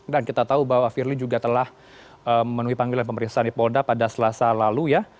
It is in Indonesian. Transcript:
dan kita tahu bahwa firly juga telah menuhi panggilan pemeriksaan di polda pada selasa lalu ya